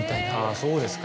そうですか。